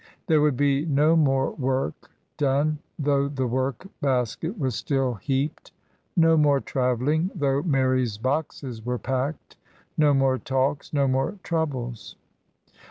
There would be no more work done, though the work basket was still heaped; no more travelling, though Mary's boxes were packed; no more talks, no more troubles.